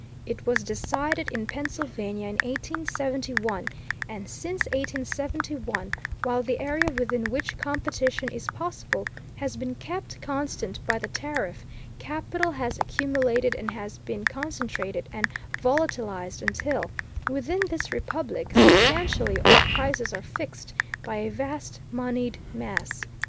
It was decided in Pennsylvania in 1871; and since 1871, while the area within which competition is possible has been kept constant by the tariff, capital has accumulated and has been concentrated and volatilized until, within this republic, substantially all prices are fixed by a vast moneyed mass.